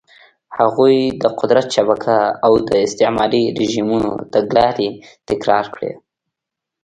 هغوی د قدرت شبکه او د استعماري رژیمونو تګلارې تکرار کړې.